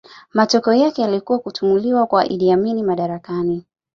Matokeo yake yalikuwa kutimuliwa kwa Idi Amin madarakani